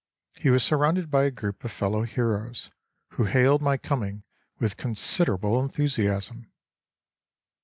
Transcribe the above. He was surrounded by a group of fellow heroes who hailed my coming with considerable enthusiasm.